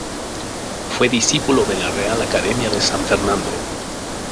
Fue discípulo de la Real Academia de San Fernando.